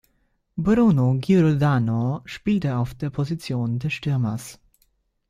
Bruno Giordano spielte auf der Position des Stürmers.